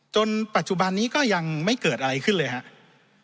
จนปัจจุบันนี้ก็ยังไม่เกิดอะไรขึ้นเลยครับ